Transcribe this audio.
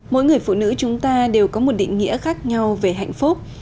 mỗi người phụ nữ chúng ta đều có một định nghĩa khác nhau về hạnh phúc